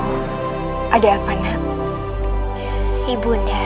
lysan verdade kalian tau mait pai saturday